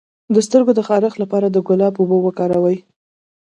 د سترګو د خارښ لپاره د ګلاب اوبه وکاروئ